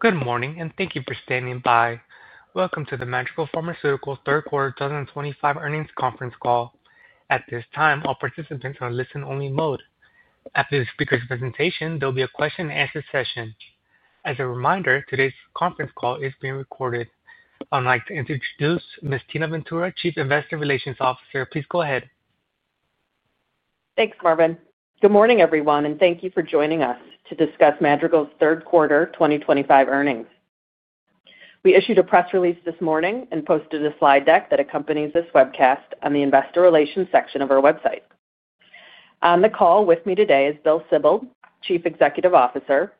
Good morning, and thank you for standing by. Welcome to the Madrigal Pharmaceuticals third quarter 2025 earnings conference call. At this time, all participants are in listen-only mode. After the speaker's presentation, there will be a question-and-answer session. As a reminder, today's conference call is being recorded. I'd like to introduce Ms. Tina Ventura, Chief Investor Relations Officer. Please go ahead. Thanks, Marvin. Good morning, everyone, and thank you for joining us to discuss Madrigal's third quarter 2025 earnings. We issued a press release this morning and posted a slide deck that accompanies this webcast on the Investor Relations section of our website. On the call with me today is Bill Sibold, Chief Executive Officer;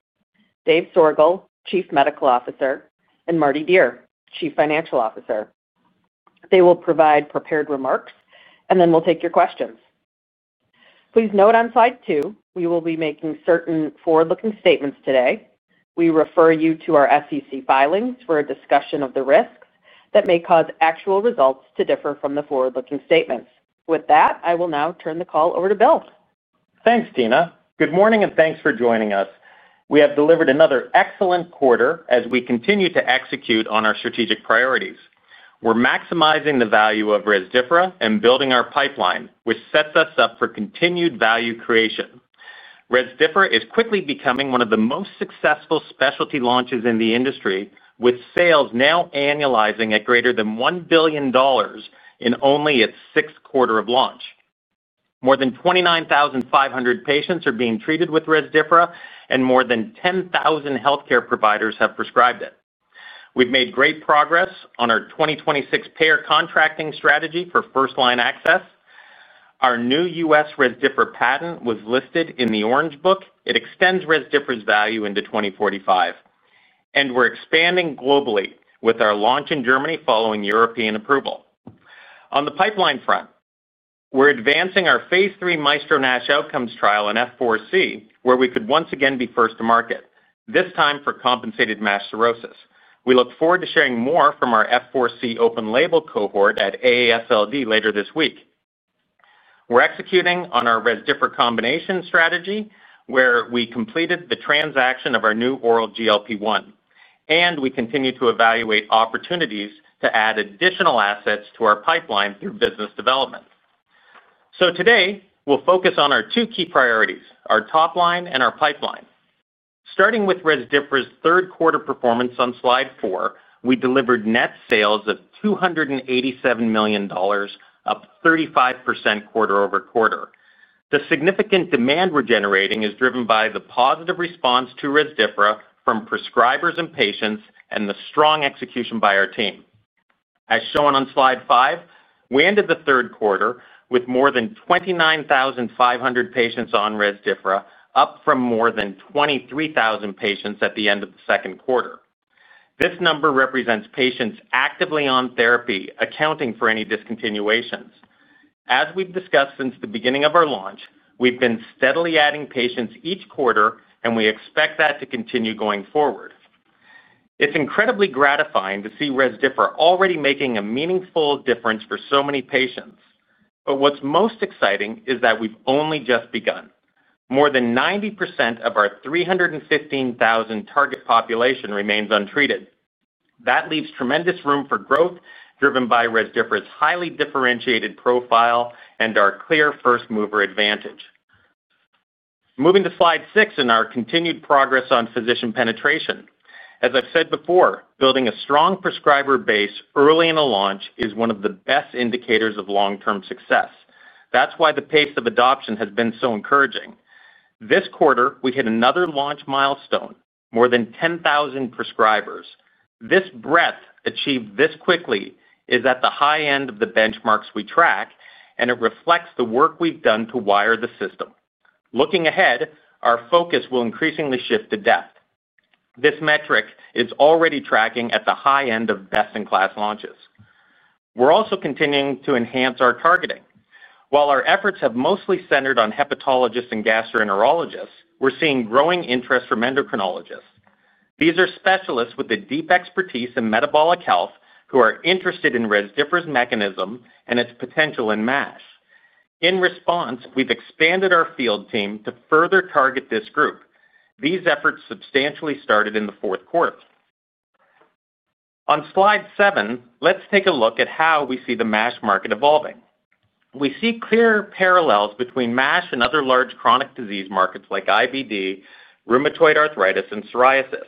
David Soergel, Chief Medical Officer; and Mardi Dier, Chief Financial Officer. They will provide prepared remarks, and then we'll take your questions. Please note on slide two, we will be making certain forward-looking statements today. We refer you to our SEC filings for a discussion of the risks that may cause actual results to differ from the forward-looking statements. With that, I will now turn the call over to Bill. Thanks, Tina. Good morning, and thanks for joining us. We have delivered another excellent quarter as we continue to execute on our strategic priorities. We're maximizing the value of Rezdiffra and building our pipeline, which sets us up for continued value creation. Rezdiffra is quickly becoming one of the most successful specialty launches in the industry, with sales now annualizing at greater than $1 billion in only its sixth quarter of launch. More than 29,500 patients are being treated with Rezdiffra, and more than 10,000 healthcare providers have prescribed it. We've made great progress on our 2026 payer contracting strategy for first-line access. Our new U.S. Rezdiffra patent was listed in the Orange Book. It extends Rezdiffra's value into 2045. We're expanding globally with our launch in Germany following European approval. On the pipeline front, we're advancing our phase 3 Maestro NASH outcomes trial in F4C, where we could once again be first to market, this time for compensated MASH cirrhosis. We look forward to sharing more from our F4C open-label cohort at AASLD later this week. We're executing on our Rezdiffra combination strategy, where we completed the transaction of our new oral GLP-1, and we continue to evaluate opportunities to add additional assets to our pipeline through business development. Today, we'll focus on our two key priorities: our top line and our pipeline. Starting with Rezdiffra's third quarter performance on slide four, we delivered net sales of $287 million, up 35% quarter-over-quarter. The significant demand we're generating is driven by the positive response to Rezdiffra from prescribers and patients and the strong execution by our team. As shown on slide five, we ended the third quarter with more than 29,500 patients on Rezdiffra, up from more than 23,000 patients at the end of the second quarter. This number represents patients actively on therapy accounting for any discontinuations. As we've discussed since the beginning of our launch, we've been steadily adding patients each quarter, and we expect that to continue going forward. It's incredibly gratifying to see Rezdiffra already making a meaningful difference for so many patients. What's most exciting is that we've only just begun. More than 90% of our 315,000 target population remains untreated. That leaves tremendous room for growth, driven by Rezdiffra's highly differentiated profile and our clear first-mover advantage. Moving to slide six in our continued progress on physician penetration. As I've said before, building a strong prescriber base early in a launch is one of the best indicators of long-term success. That's why the pace of adoption has been so encouraging. This quarter, we hit another launch milestone: more than 10,000 prescribers. This breadth achieved this quickly is at the high end of the benchmarks we track, and it reflects the work we've done to wire the system. Looking ahead, our focus will increasingly shift to depth. This metric is already tracking at the high end of best-in-class launches. We're also continuing to enhance our targeting. While our efforts have mostly centered on hepatologists and gastroenterologists, we're seeing growing interest from endocrinologists. These are specialists with a deep expertise in metabolic health who are interested in Rezdiffra's mechanism and its potential in MASH. In response, we've expanded our field team to further target this group. These efforts substantially started in the fourth quarter. On slide seven, let's take a look at how we see the MASH market evolving. We see clear parallels between MASH and other large chronic disease markets like IBD, rheumatoid arthritis, and psoriasis.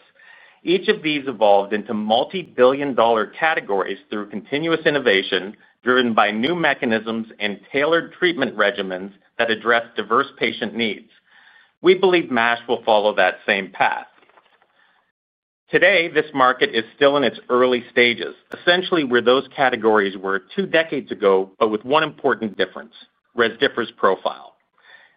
Each of these evolved into multi-billion-dollar categories through continuous innovation driven by new mechanisms and tailored treatment regimens that address diverse patient needs. We believe MASH will follow that same path. Today, this market is still in its early stages, essentially where those categories were two decades ago, but with one important difference: Rezdiffra's profile.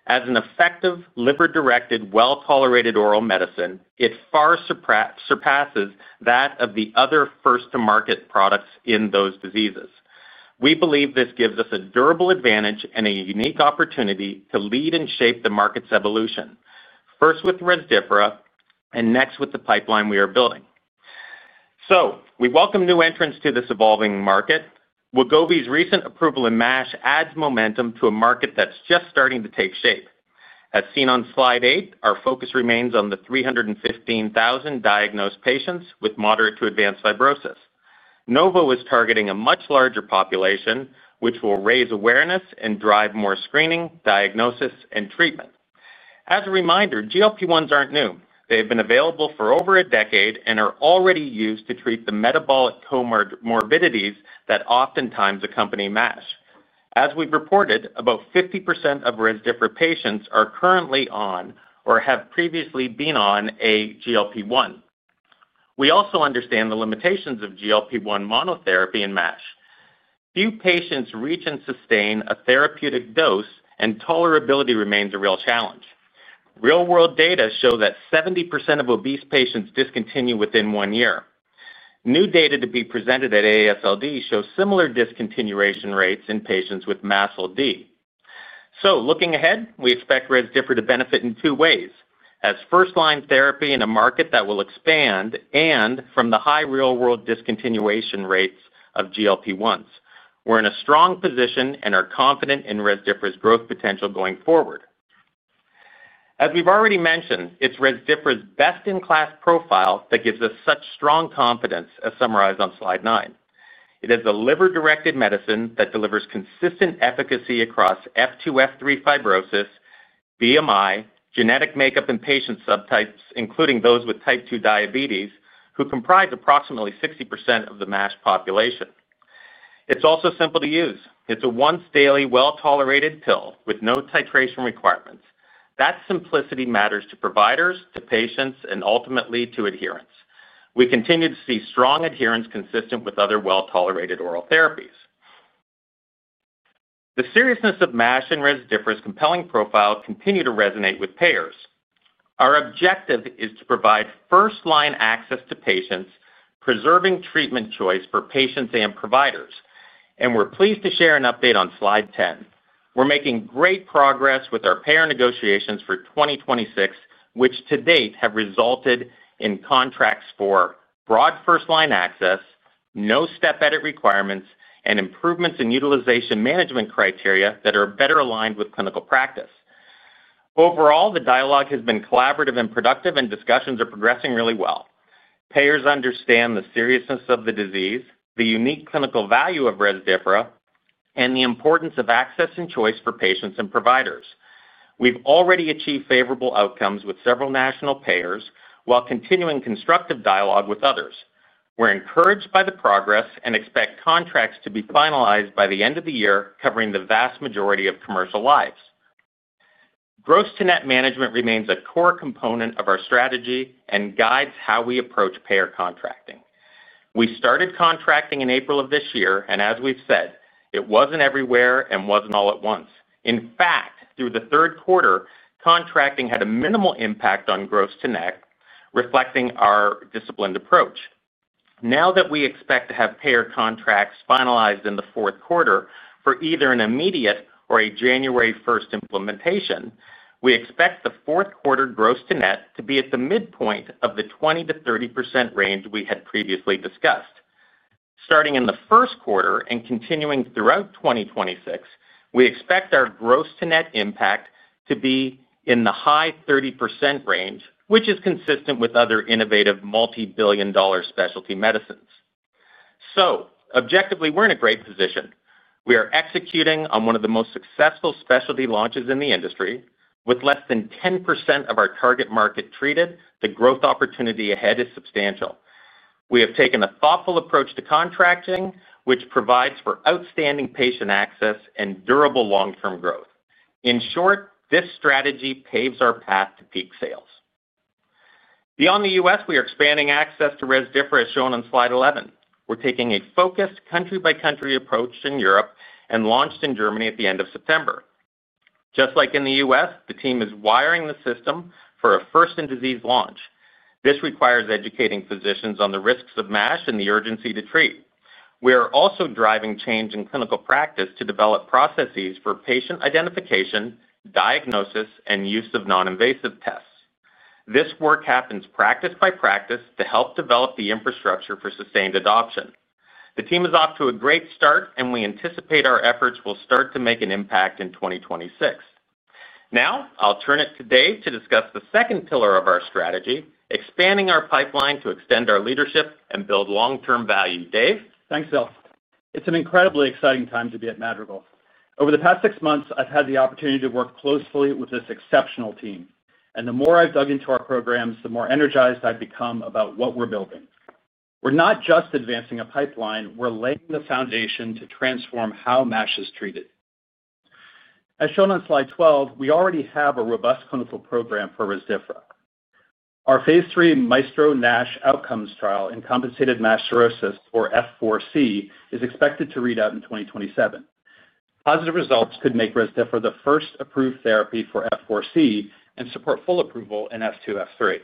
As an effective, liver-directed, well-tolerated oral medicine, it far surpasses that of the other first-to-market products in those diseases. We believe this gives us a durable advantage and a unique opportunity to lead and shape the market's evolution, first with Rezdiffra and next with the pipeline we are building. We welcome new entrants to this evolving market. Wegovy's recent approval in MASH adds momentum to a market that's just starting to take shape. As seen on slide eight, our focus remains on the 315,000 diagnosed patients with moderate to advanced fibrosis. Novo was targeting a much larger population, which will raise awareness and drive more screening, diagnosis, and treatment. As a reminder, GLP-1s aren't new. They have been available for over a decade and are already used to treat the metabolic comorbidities that oftentimes accompany MASH. As we've reported, about 50% of Rezdiffra patients are currently on or have previously been on a GLP-1. We also understand the limitations of GLP-1 monotherapy in MASH. Few patients reach and sustain a therapeutic dose, and tolerability remains a real challenge. Real-world data show that 70% of obese patients discontinue within one year. New data to be presented at AASLD shows similar discontinuation rates in patients with MASH-LD. Looking ahead, we expect Rezdiffra to benefit in two ways: as first-line therapy in a market that will expand and from the high real-world discontinuation rates of GLP-1s. We're in a strong position and are confident in Rezdiffra's growth potential going forward. As we've already mentioned, it's Rezdiffra's best-in-class profile that gives us such strong confidence, as summarized on slide nine. It is a liver-directed medicine that delivers consistent efficacy across F2F3 fibrosis, BMI, genetic makeup, and patient subtypes, including those with type 2 diabetes, who comprise approximately 60% of the MASH population. It's also simple to use. It's a once-daily, well-tolerated pill with no titration requirements. That simplicity matters to providers, to patients, and ultimately to adherence. We continue to see strong adherence consistent with other well-tolerated oral therapies. The seriousness of MASH and Rezdiffra's compelling profile continues to resonate with payers. Our objective is to provide first-line access to patients, preserving treatment choice for patients and providers. We are pleased to share an update on slide 10. We are making great progress with our payer negotiations for 2026, which to date have resulted in contracts for broad first-line access, no step-edit requirements, and improvements in utilization management criteria that are better aligned with clinical practice. Overall, the dialogue has been collaborative and productive, and discussions are progressing really well. Payers understand the seriousness of the disease, the unique clinical value of Rezdiffra, and the importance of access and choice for patients and providers. We have already achieved favorable outcomes with several national payers while continuing constructive dialogue with others. We are encouraged by the progress and expect contracts to be finalized by the end of the year, covering the vast majority of commercial lives. Gross-to-net management remains a core component of our strategy and guides how we approach payer contracting. We started contracting in April of this year, and as we have said, it was not everywhere and was not all at once. In fact, through the third quarter, contracting had a minimal impact on gross-to-net, reflecting our disciplined approach. Now that we expect to have payer contracts finalized in the fourth quarter for either an immediate or a January 1st implementation, we expect the fourth quarter gross-to-net to be at the midpoint of the 20-30% range we had previously discussed. Starting in the first quarter and continuing throughout 2026, we expect our gross-to-net impact to be in the high 30% range, which is consistent with other innovative multi-billion-dollar specialty medicines. Objectively, we are in a great position. We are executing on one of the most successful specialty launches in the industry. With less than 10% of our target market treated, the growth opportunity ahead is substantial. We have taken a thoughtful approach to contracting, which provides for outstanding patient access and durable long-term growth. In short, this strategy paves our path to peak sales. Beyond the U.S., we are expanding access to Rezdiffra, as shown on slide 11. We are taking a focused country-by-country approach in Europe and launched in Germany at the end of September. Just like in the U.S., the team is wiring the system for a first-in-disease launch. This requires educating physicians on the risks of MASH and the urgency to treat. We are also driving change in clinical practice to develop processes for patient identification, diagnosis, and use of non-invasive tests. This work happens practice by practice to help develop the infrastructure for sustained adoption. The team is off to a great start, and we anticipate our efforts will start to make an impact in 2026. Now, I will turn it to Dave to discuss the second pillar of our strategy, expanding our pipeline to extend our leadership and build long-term value. Dave? Thanks, Bill. It's an incredibly exciting time to be at Madrigal. Over the past six months, I've had the opportunity to work closely with this exceptional team. The more I've dug into our programs, the more energized I've become about what we're building. We're not just advancing a pipeline. We're laying the foundation to transform how MASH is treated. As shown on slide 12, we already have a robust clinical program for Rezdiffra. Our phase 3 Maestro NASH outcomes trial in compensated MASH cirrhosis, or F4C, is expected to read out in 2027. Positive results could make Rezdiffra the first approved therapy for F4C and support full approval in F2F3.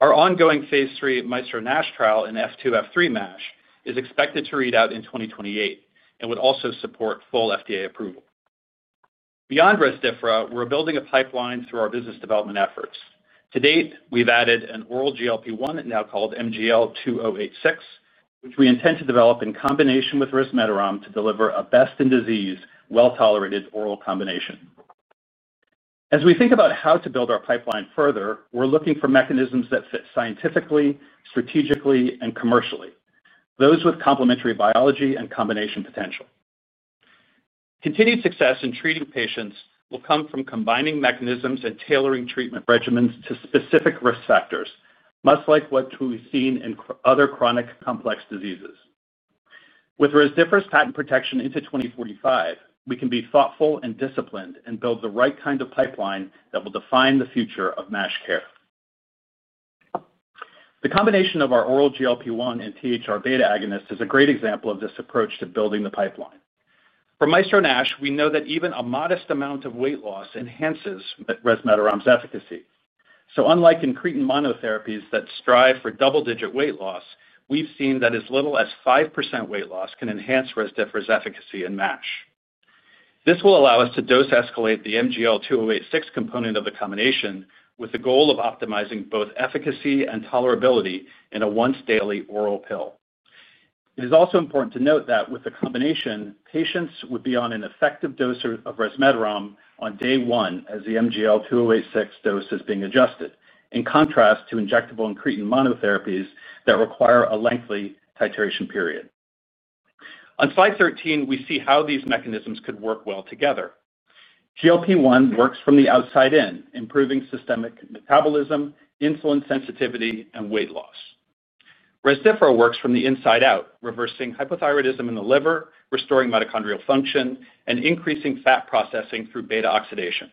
Our ongoing phase 3 Maestro NASH trial in F2F3 MASH is expected to read out in 2028 and would also support full FDA approval. Beyond Rezdiffra, we're building a pipeline through our business development efforts. To date, we've added an oral GLP-1, now called MGL-2086, which we intend to develop in combination with resmetirom to deliver a best-in-disease, well-tolerated oral combination. As we think about how to build our pipeline further, we're looking for mechanisms that fit scientifically, strategically, and commercially, those with complementary biology and combination potential. Continued success in treating patients will come from combining mechanisms and tailoring treatment regimens to specific risk factors, much like what we've seen in other chronic complex diseases. With Rezdiffra's patent protection into 2045, we can be thoughtful and disciplined and build the right kind of pipeline that will define the future of MASH care. The combination of our oral GLP-1 and THR-β agonists is a great example of this approach to building the pipeline. From Maestro NASH, we know that even a modest amount of weight loss enhances resmetirom's efficacy. Unlike in GLP-1 monotherapies that strive for double-digit weight loss, we've seen that as little as 5% weight loss can enhance Rezdiffra's efficacy in MASH. This will allow us to dose-escalate the MGL-2086 component of the combination with the goal of optimizing both efficacy and tolerability in a once-daily oral pill. It is also important to note that with the combination, patients would be on an effective dose of resmetirom on day one as the MGL-2086 dose is being adjusted, in contrast to injectable and GLP-1 monotherapies that require a lengthy titration period. On slide 13, we see how these mechanisms could work well together. GLP-1 works from the outside in, improving systemic metabolism, insulin sensitivity, and weight loss. Rezdiffra works from the inside out, reversing hypothyroidism in the liver, restoring mitochondrial function, and increasing fat processing through beta oxidation.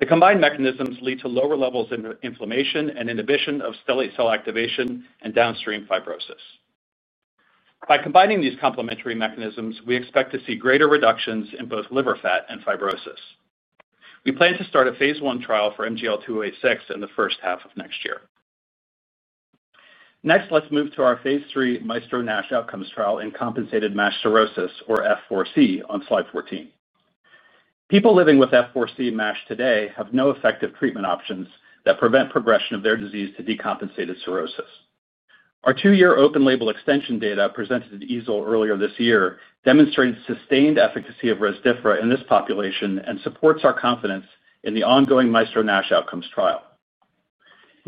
The combined mechanisms lead to lower levels of inflammation and inhibition of stellate cell activation and downstream fibrosis. By combining these complementary mechanisms, we expect to see greater reductions in both liver fat and fibrosis. We plan to start a phase 1 trial for MGL-2086 in the first half of next year. Next, let's move to our phase three Maestro NASH outcomes trial in compensated MASH cirrhosis, or F4C, on slide 14. People living with F4C MASH today have no effective treatment options that prevent progression of their disease to decompensated cirrhosis. Our two-year open-label extension data presented at EASL earlier this year demonstrated sustained efficacy of Rezdiffra in this population and supports our confidence in the ongoing Maestro NASH outcomes trial.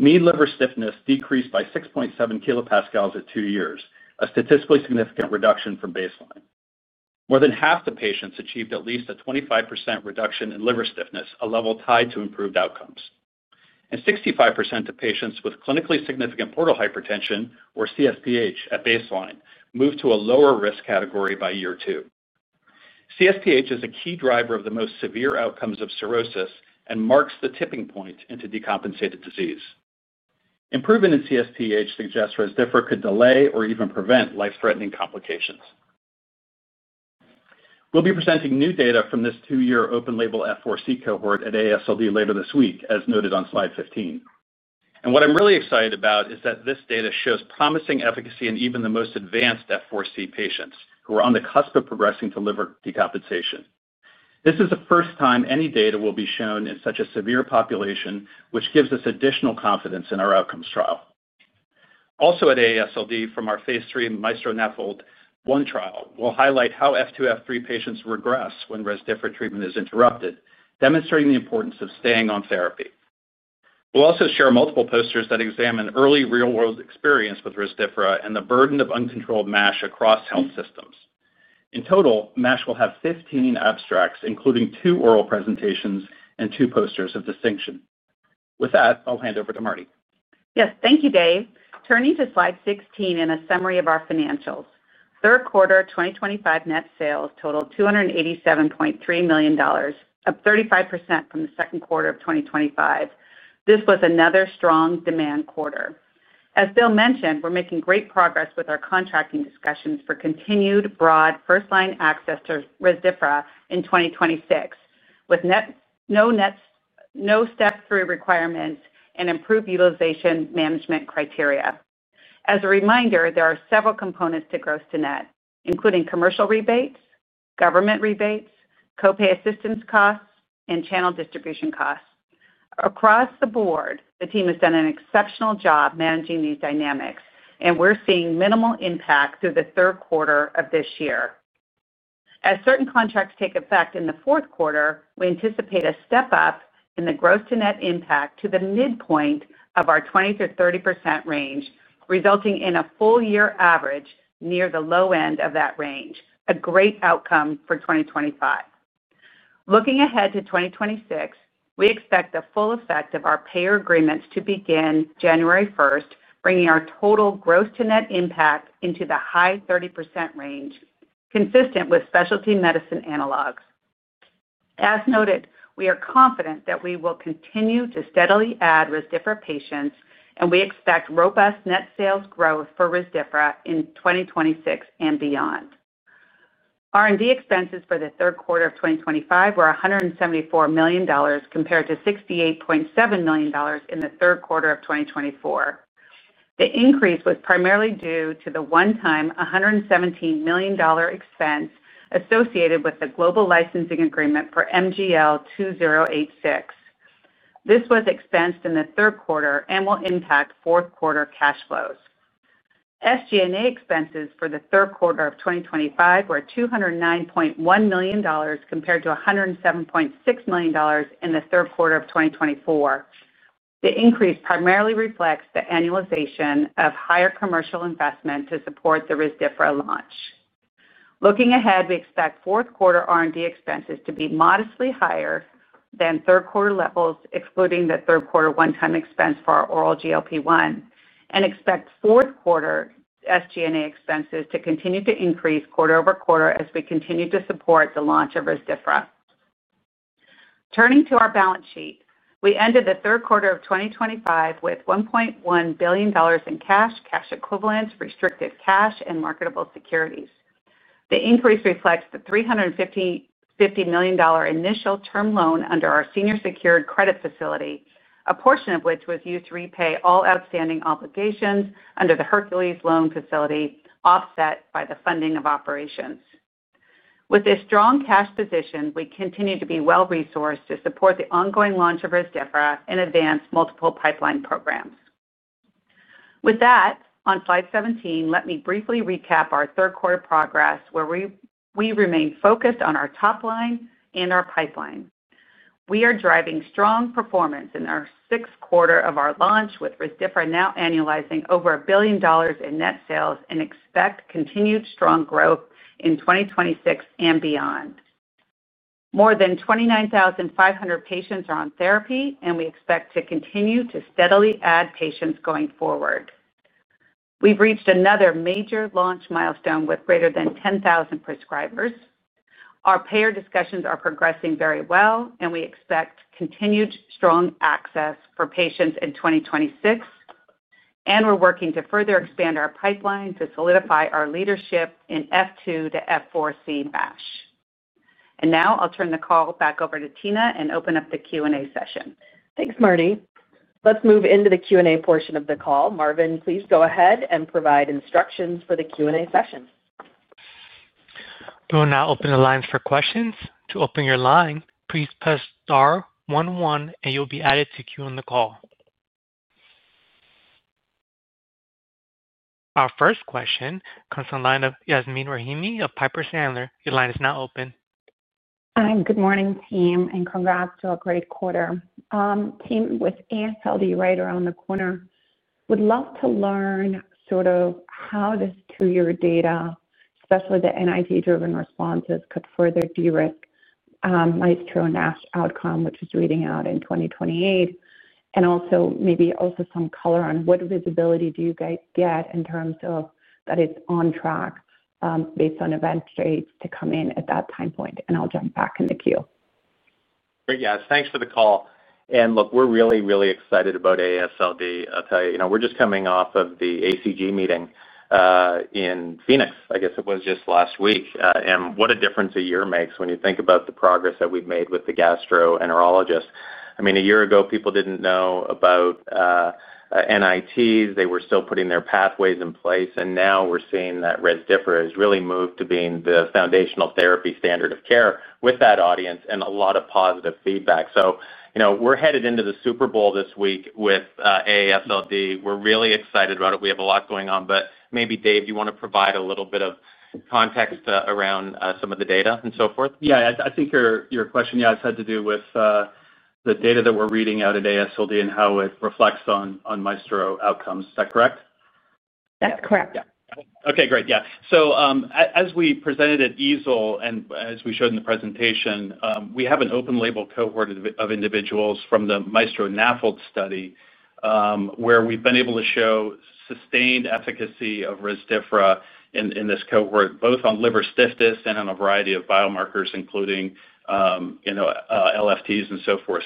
Mean liver stiffness decreased by 6.7 kilopascals at two years, a statistically significant reduction from baseline. More than half the patients achieved at least a 25% reduction in liver stiffness, a level tied to improved outcomes. 65% of patients with clinically significant portal hypertension, or CSPH, at baseline moved to a lower risk category by year two. CSPH is a key driver of the most severe outcomes of cirrhosis and marks the tipping point into decompensated disease. Improvement in CSPH suggests Rezdiffra could delay or even prevent life-threatening complications. We'll be presenting new data from this two-year open-label F4C cohort at AASLD later this week, as noted on slide 15. What I'm really excited about is that this data shows promising efficacy in even the most advanced F4C patients who are on the cusp of progressing to liver decompensation. This is the first time any data will be shown in such a severe population, which gives us additional confidence in our outcomes trial. Also at AASLD, from our phase three Maestro NAFLD one trial, we'll highlight how F2F3 patients regress when Rezdiffra treatment is interrupted, demonstrating the importance of staying on therapy. We'll also share multiple posters that examine early real-world experience with Rezdiffra and the burden of uncontrolled MASH across health systems. In total, MASH will have 15 abstracts, including two oral presentations and two posters of distinction. With that, I'll hand over to Mardi. Yes, thank you, Dave. Turning to slide 16 and a summary of our financials. Third quarter 2025 net sales totaled $287.3 million, up 35% from the second quarter of 2025. This was another strong demand quarter. As Bill mentioned, we're making great progress with our contracting discussions for continued broad first-line access to Rezdiffra in 2026, with no step-through requirements and improved utilization management criteria. As a reminder, there are several components to gross-to-net, including commercial rebates, government rebates, copay assistance costs, and channel distribution costs. Across the board, the team has done an exceptional job managing these dynamics, and we're seeing minimal impact through the third quarter of this year. As certain contracts take effect in the fourth quarter, we anticipate a step-up in the gross-to-net impact to the midpoint of our 20-30% range, resulting in a full-year average near the low end of that range, a great outcome for 2025. Looking ahead to 2026, we expect the full effect of our payer agreements to begin January 1st, bringing our total gross-to-net impact into the high 30% range, consistent with specialty medicine analogs. As noted, we are confident that we will continue to steadily add Rezdiffra patients, and we expect robust net sales growth for Rezdiffra in 2026 and beyond. R&D expenses for the third quarter of 2025 were $174 million compared to $68.7 million in the third quarter of 2024. The increase was primarily due to the one-time $117 million expense associated with the global licensing agreement for MGL-2086. This was expensed in the third quarter and will impact fourth-quarter cash flows. SG&A expenses for the third quarter of 2025 were $209.1 million compared to $107.6 million in the third quarter of 2024. The increase primarily reflects the annualization of higher commercial investment to support the Rezdiffra launch. Looking ahead, we expect fourth-quarter R&D expenses to be modestly higher than third-quarter levels, excluding the third-quarter one-time expense for our oral GLP-1, and expect fourth-quarter SG&A expenses to continue to increase quarter-over-quarter as we continue to support the launch of Rezdiffra. Turning to our balance sheet, we ended the third quarter of 2025 with $1.1 billion in cash, cash equivalents, restricted cash, and marketable securities. The increase reflects the $350 million initial term loan under our senior-secured credit facility, a portion of which was used to repay all outstanding obligations under the Hercules loan facility, offset by the funding of operations. With this strong cash position, we continue to be well-resourced to support the ongoing launch of Rezdiffra and advance multiple pipeline programs. With that, on slide 17, let me briefly recap our third-quarter progress, where we remain focused on our top line and our pipeline. We are driving strong performance in our sixth quarter of our launch, with Rezdiffra now annualizing over a billion dollars in net sales and expect continued strong growth in 2026 and beyond. More than 29,500 patients are on therapy, and we expect to continue to steadily add patients going forward. We have reached another major launch milestone with greater than 10,000 prescribers. Our payer discussions are progressing very well, and we expect continued strong access for patients in 2026. We are working to further expand our pipeline to solidify our leadership in F2 to F4C MASH. Now I will turn the call back over to Tina and open up the Q&A session. Thanks, Mardi. Let's move into the Q&A portion of the call. Marvin, please go ahead and provide instructions for the Q&A session. We will now open the lines for questions. To open your line, please press star 11, and you'll be added to queue on the call. Our first question comes from the line of Yasmeen Rahimi of Piper Sandler. Your line is now open. Hi, good morning, team, and congrats to our great quarter. Team, with AASLD right around the corner, we'd love to learn sort of how this, through your data, especially the NIT-driven responses, could further de-risk Maestro NASH outcome, which is reading out in 2028, and also maybe also some color on what visibility do you guys get in terms of that it's on track based on events to come in at that time point. I'll jump back in the queue. Great, guys. Thanks for the call. Look, we're really, really excited about AASLD. I'll tell you, we're just coming off of the ACG meeting in Phoenix, I guess it was just last week. What a difference a year makes when you think about the progress that we've made with the gastroenterologists. I mean, a year ago, people didn't know about NITs. They were still putting their pathways in place. Now we're seeing that Rezdiffra has really moved to being the foundational therapy standard of care with that audience and a lot of positive feedback. We're headed into the Super Bowl this week with AASLD. We're really excited about it. We have a lot going on. Maybe, Dave, you want to provide a little bit of context around some of the data and so forth? Yeah, I think your question, yeah, has had to do with the data that we're reading out at AASLD and how it reflects on Maestro outcomes. Correct? That's correct. Yeah. Okay, great. Yeah. As we presented at EASL and as we showed in the presentation, we have an open-label cohort of individuals from the Maestro NAFLD study. Where we've been able to show sustained efficacy of Rezdiffra in this cohort, both on liver stiffness and on a variety of biomarkers, including LFTs and so forth.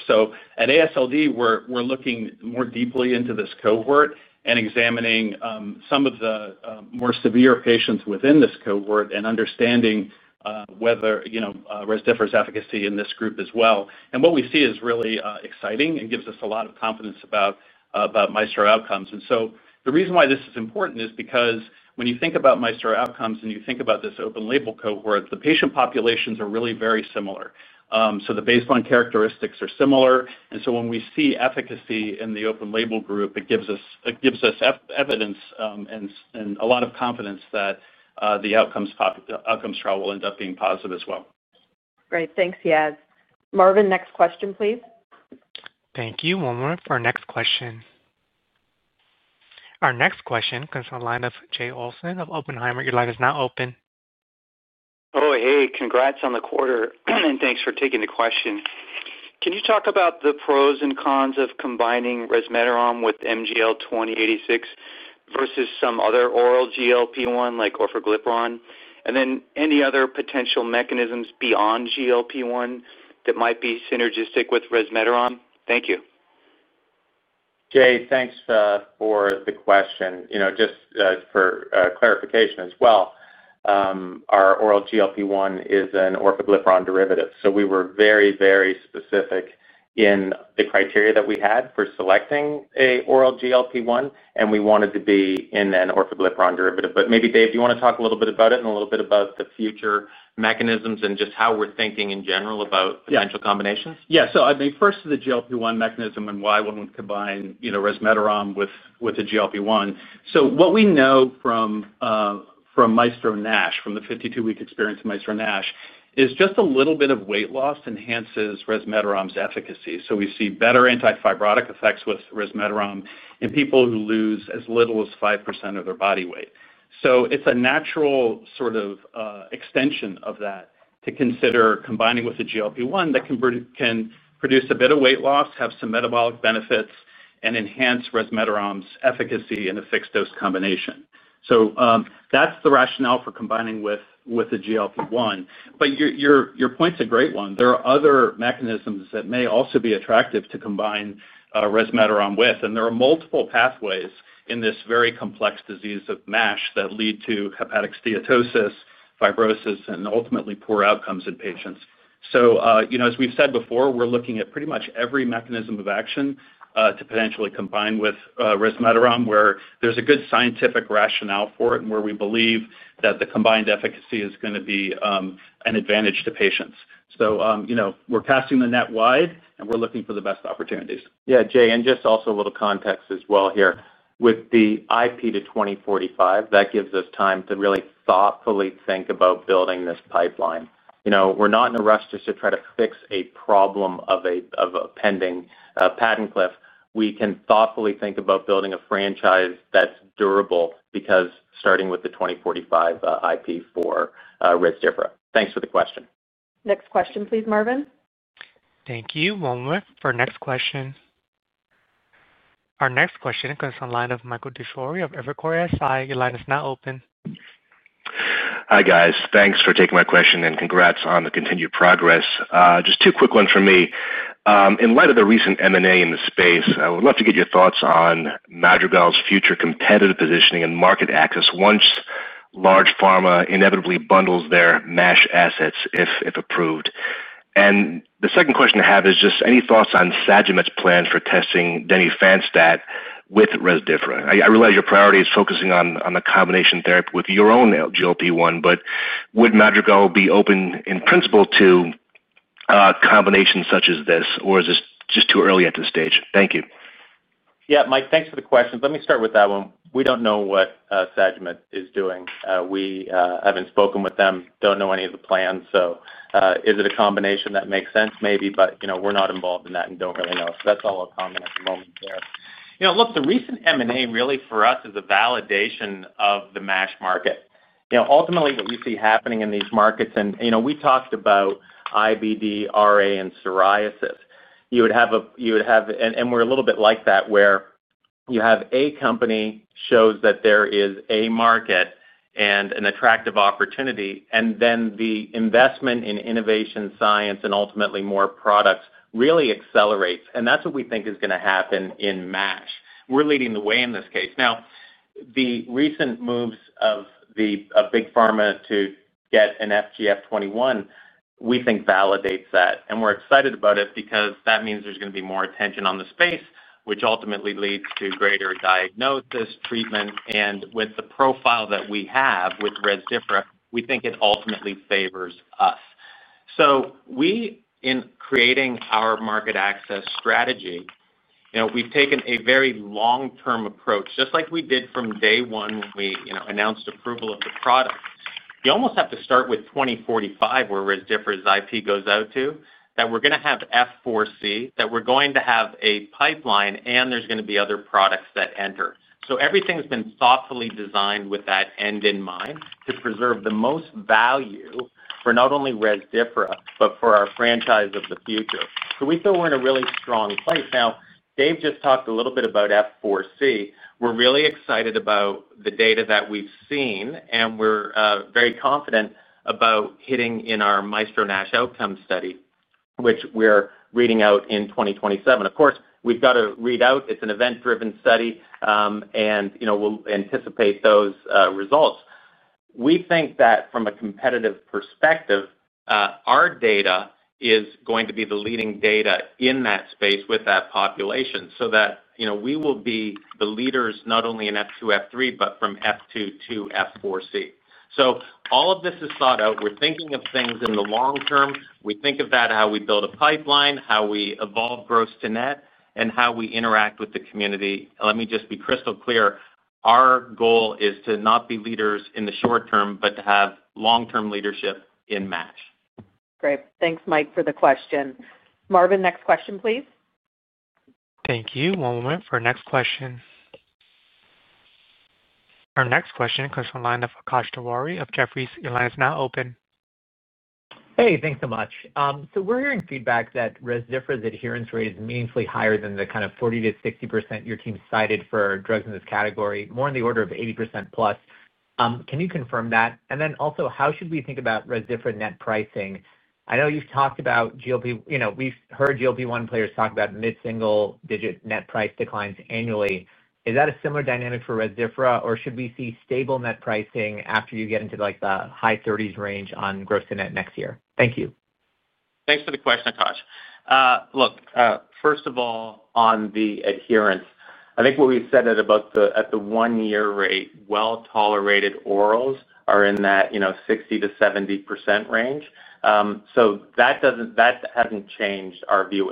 At AASLD, we're looking more deeply into this cohort and examining some of the more severe patients within this cohort and understanding whether Rezdiffra's efficacy is in this group as well. What we see is really exciting and gives us a lot of confidence about Maestro outcomes. The reason why this is important is because when you think about Maestro outcomes and you think about this open-label cohort, the patient populations are really very similar. The baseline characteristics are similar. When we see efficacy in the open-label group, it gives us evidence and a lot of confidence that the outcomes trial will end up being positive as well. Great. Thanks, Yaz. Marvin, next question, please. Thank you. One moment for our next question. Our next question comes from the line of Jay Olson of Oppenheimer. Your line is now open. Oh, hey. Congrats on the quarter, and thanks for taking the question. Can you talk about the pros and cons of combining Rezdiffra with MGL-2086 versus some other oral GLP-1 like orforglipron? And then any other potential mechanisms beyond GLP-1 that might be synergistic with Rezdiffra? Thank you. Jay, thanks for the question. Just for clarification as well. Our oral GLP-1 is an orforglipron derivative. We were very, very specific in the criteria that we had for selecting an oral GLP-1, and we wanted to be in an orforglipron derivative. Maybe, Dave, do you want to talk a little bit about it and a little bit about the future mechanisms and just how we're thinking in general about potential combinations? Yeah. So I mean, first, the GLP-1 mechanism and why one would combine resmetirom with a GLP-1. What we know from Maestro NASH, from the 52-week experience of Maestro NASH, is just a little bit of weight loss enhances resmetirom's efficacy. We see better anti-fibrotic effects with resmetirom in people who lose as little as 5% of their body weight. It is a natural sort of extension of that to consider combining with a GLP-1 that can produce a bit of weight loss, have some metabolic benefits, and enhance resmetirom's efficacy in a fixed-dose combination. That is the rationale for combining with a GLP-1. Your point is a great one. There are other mechanisms that may also be attractive to combine resmetirom with. There are multiple pathways in this very complex disease of MASH that lead to hepatic steatosis, fibrosis, and ultimately poor outcomes in patients. As we have said before, we are looking at pretty much every mechanism of action to potentially combine with resmetirom, where there is a good scientific rationale for it and where we believe that the combined efficacy is going to be an advantage to patients. We are casting the net wide, and we are looking for the best opportunities. Yeah, Jay, and just also a little context as well here. With the IP to 2045, that gives us time to really thoughtfully think about building this pipeline. We're not in a rush just to try to fix a problem of a pending patent cliff. We can thoughtfully think about building a franchise that's durable because starting with the 2045 IP for Rezdiffra. Thanks for the question. Next question, please, Marvin. Thank you. One moment for our next question. Our next question comes from the line of Michael DiFiore of Evercore ISI. Your line is now open. Hi, guys. Thanks for taking my question and congrats on the continued progress. Just two quick ones for me. In light of the recent M&A in the space, I would love to get your thoughts on Madrigal's future competitive positioning and market access once large pharma inevitably bundles their MASH assets, if approved. The second question I have is just any thoughts on Sagimet's plan for testing denifanstat with Rezdiffra? I realize your priority is focusing on a combination therapy with your own GLP-1, but would Madrigal be open, in principle, to a combination such as this, or is this just too early at this stage? Thank you. Yeah, Mike, thanks for the questions. Let me start with that one. We do not know what Sagimet is doing. We have not spoken with them, do not know any of the plans. Is it a combination that makes sense, maybe, but we are not involved in that and do not really know. That is all our comment at the moment there. Look, the recent M&A really for us is a validation of the MASH market. Ultimately, what you see happening in these markets, and we talked about IBD, RA, and psoriasis, you would have a—you know, we are a little bit like that—where you have a company shows that there is a market and an attractive opportunity, and then the investment in innovation, science, and ultimately more products really accelerates. That is what we think is going to happen in MASH. We are leading the way in this case. Now, the recent moves of the big pharma to get an FGF21, we think, validates that. We are excited about it because that means there is going to be more attention on the space, which ultimately leads to greater diagnosis, treatment, and with the profile that we have with Rezdiffra, we think it ultimately favors us. In creating our market access strategy, we have taken a very long-term approach, just like we did from day one when we announced approval of the product. You almost have to start with 2045 where Rezdiffra's IP goes out to, that we are going to have F4C, that we are going to have a pipeline, and there are going to be other products that enter. Everything has been thoughtfully designed with that end in mind to preserve the most value for not only Rezdiffra, but for our franchise of the future. We feel we are in a really strong place. Dave just talked a little bit about F4C. We are really excited about the data that we have seen, and we are very confident about hitting in our Maestro NASH outcome study, which we are reading out in 2027. Of course, we have to read out. It is an event-driven study, and we will anticipate those results. We think that from a competitive perspective, our data is going to be the leading data in that space with that population so that we will be the leaders not only in F2, F3, but from F2 to F4C. All of this is thought out. We are thinking of things in the long term. We think of that, how we build a pipeline, how we evolve gross-to-net, and how we interact with the community. Let me just be crystal clear. Our goal is to not be leaders in the short term, but to have long-term leadership in MASH. Great. Thanks, Mike, for the question. Marvin, next question, please. Thank you. One moment for our next question. Our next question comes from the line of Akash Tewari of Jefferies. Your line is now open. Hey, thanks so much. We're hearing feedback that Rezdiffra's adherence rate is meaningfully higher than the kind of 40-60% your team cited for drugs in this category, more in the order of 80% plus. Can you confirm that? Also, how should we think about Rezdiffra net pricing? I know you've talked about GLP—we've heard GLP-1 players talk about mid-single-digit net price declines annually. Is that a similar dynamic for Rezdiffra, or should we see stable net pricing after you get into the high 30s range on gross-to-net next year? Thank you. Thanks for the question, Akash. First of all, on the adherence, I think what we said at about the one-year rate, well-tolerated orals are in that 60-70% range. That has not changed our view.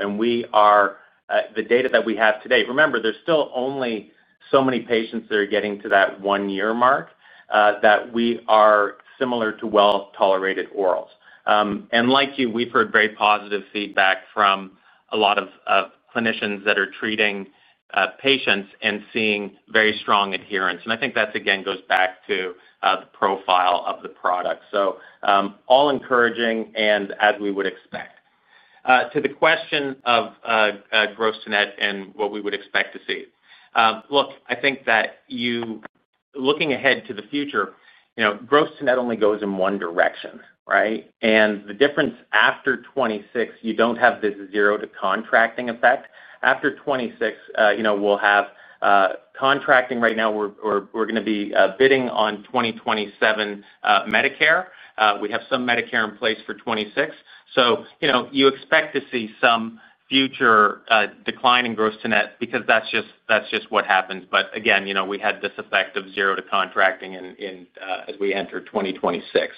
The data that we have today—remember, there are still only so many patients that are getting to that one-year mark—that we are similar to well-tolerated orals. Like you, we have heard very positive feedback from a lot of clinicians that are treating patients and seeing very strong adherence. I think that, again, goes back to the profile of the product. All encouraging and as we would expect. To the question of gross to net and what we would expect to see. I think that you, looking ahead to the future, gross to net only goes in one direction, right? The difference after 2026, you do not have this zero-to-contracting effect. After 2026, we will have contracting. Right now, we are going to be bidding on 2027 Medicare. We have some Medicare in place for 2026. You expect to see some future decline in gross to net because that is just what happens. Again, we had this effect of zero-to-contracting as we enter 2026.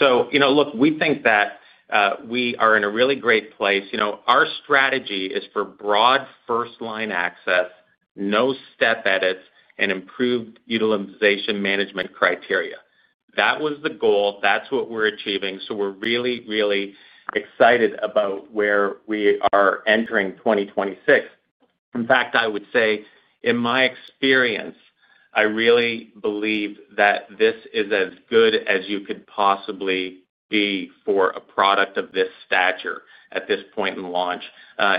We think that we are in a really great place. Our strategy is for broad first-line access, no step edits, and improved utilization management criteria. That was the goal. That is what we are achieving. We are really, really excited about where we are entering 2026. In fact, I would say, in my experience, I really believe that this is as good as you could possibly be for a product of this stature at this point in launch.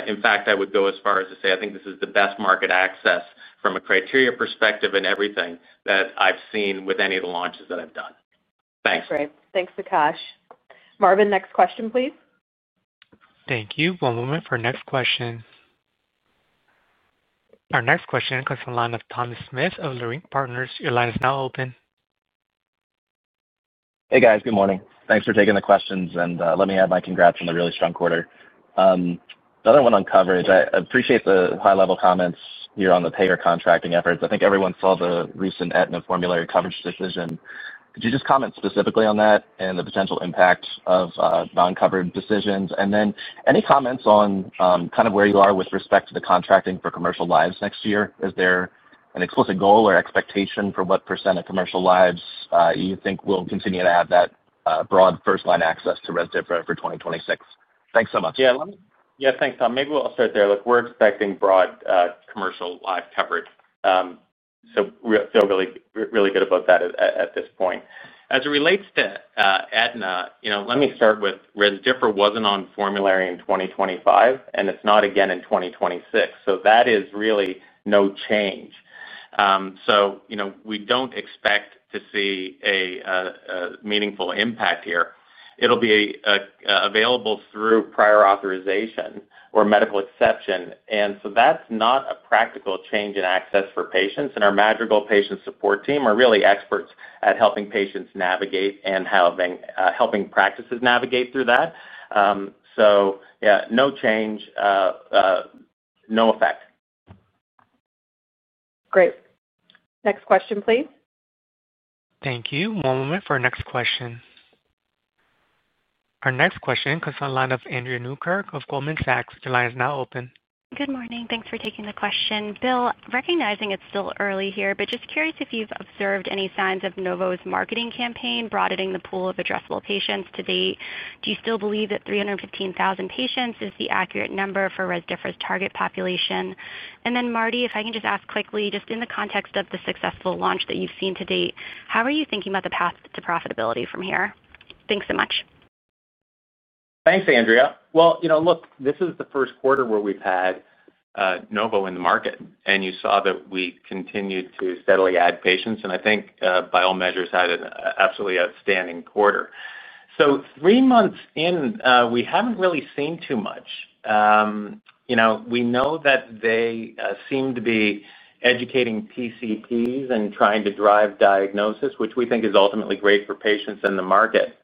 In fact, I would go as far as to say I think this is the best market access from a criteria perspective and everything that I have seen with any of the launches that I have done. Thanks. Great. Thanks, Akash. Marvin, next question, please. Thank you. One moment for our next question. Our next question comes from the line of Thomas Smith of Leerink Partners. Your line is now open. Hey, guys. Good morning. Thanks for taking the questions. And let me add my congrats on the really strong quarter. The other one on coverage, I appreciate the high-level comments here on the payer contracting efforts. I think everyone saw the recent Aetna formulary coverage decision. Could you just comment specifically on that and the potential impact of non-covered decisions? And then any comments on kind of where you are with respect to the contracting for commercial lives next year? Is there an explicit goal or expectation for what % of commercial lives you think will continue to have that broad first-line access to Rezdiffra for 2026? Thanks so much. Yeah. Thanks, Tom. Maybe we'll start there. Look, we're expecting broad commercial live coverage. So we feel really good about that at this point. As it relates to Aetna, let me start with Rezdiffra was not on formulary in 2025, and it's not again in 2026. That is really no change. We do not expect to see a meaningful impact here. It will be available through prior authorization or medical exception. That is not a practical change in access for patients. Our Madrigal patient support team are really experts at helping patients navigate and helping practices navigate through that. Yeah, no change. No effect. Great. Next question, please. Thank you. One moment for our next question. Our next question comes from the line of Andrea Newkirk of Goldman Sachs. Your line is now open. Good morning. Thanks for taking the question. Bill, recognizing it's still early here, but just curious if you've observed any signs of Novo's marketing campaign broadening the pool of addressable patients to date. Do you still believe that 315,000 patients is the accurate number for Rezdiffra's target population? Marty, if I can just ask quickly, just in the context of the successful launch that you've seen to date, how are you thinking about the path to profitability from here? Thanks so much. Thanks, Andrea. Look, this is the first quarter where we've had Novo in the market, and you saw that we continued to steadily add patients. I think, by all measures, had an absolutely outstanding quarter. Three months in, we haven't really seen too much. We know that they seem to be educating PCPs and trying to drive diagnosis, which we think is ultimately great for patients and the market.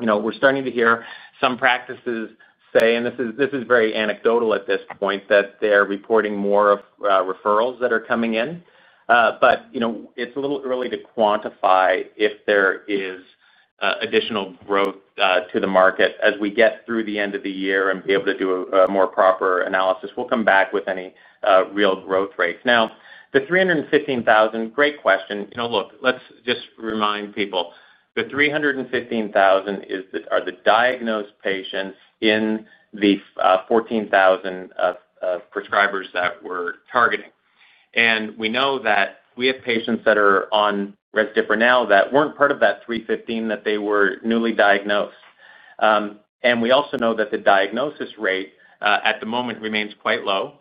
We're starting to hear some practices say, and this is very anecdotal at this point, that they're reporting more referrals that are coming in. It's a little early to quantify if there is additional growth to the market as we get through the end of the year and are able to do a more proper analysis. We'll come back with any real growth rates. Now, the 315,000, great question. Let's just remind people. The 315,000 are the diagnosed patients in the 14,000 prescribers that we're targeting. We know that we have patients that are on Rezdiffra now that weren't part of that 315,000, that they were newly diagnosed. We also know that the diagnosis rate at the moment remains quite low.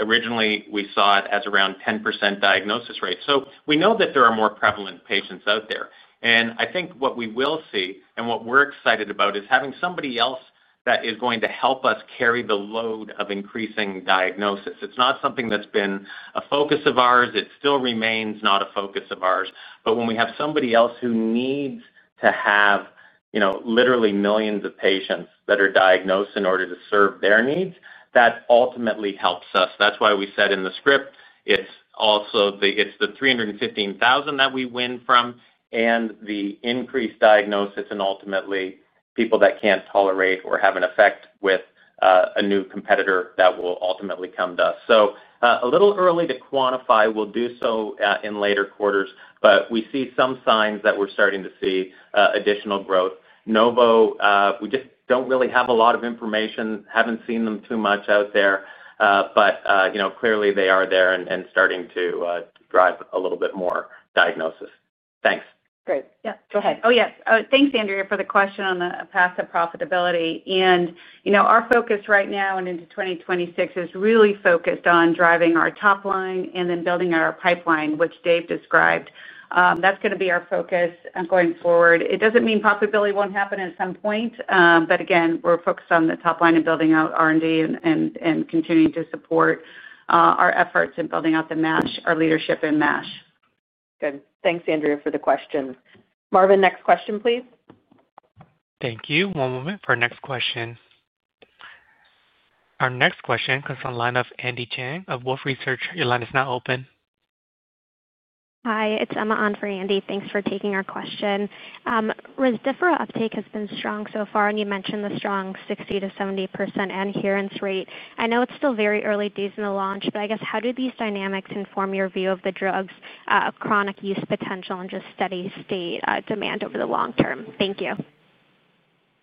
Originally, we saw it as around 10% diagnosis rate. We know that there are more prevalent patients out there. I think what we will see and what we're excited about is having somebody else that is going to help us carry the load of increasing diagnosis. It's not something that's been a focus of ours. It still remains not a focus of ours. When we have somebody else who needs to have literally millions of patients that are diagnosed in order to serve their needs, that ultimately helps us. That's why we said in the script, it's the 315,000 that we win from and the increased diagnosis and ultimately people that can't tolerate or have an effect with a new competitor that will ultimately come to us. A little early to quantify. We'll do so in later quarters, but we see some signs that we're starting to see additional growth. Novo, we just don't really have a lot of information. Haven't seen them too much out there, but clearly they are there and starting to drive a little bit more diagnosis. Thanks. Great. Yeah. Go ahead. Oh, yes. Thanks, Andrea, for the question on the path to profitability. Our focus right now and into 2026 is really focused on driving our top line and then building out our pipeline, which Dave described. That is going to be our focus going forward. It does not mean profitability will not happen at some point, but again, we are focused on the top line and building out R&D and continuing to support our efforts in building out the MASH, our leadership in MASH. Good. Thanks, Andrea, for the question. Marvin, next question, please. Thank you. One moment for our next question. Our next question comes from the line of Andy Chang of Wolfe Research. Your line is now open. Hi. It's Emma on for Andy. Thanks for taking our question. Rezdiffra uptake has been strong so far, and you mentioned the strong 60-70% adherence rate. I know it's still very early days in the launch, but I guess how do these dynamics inform your view of the drug's chronic use potential and just steady-state demand over the long term? Thank you.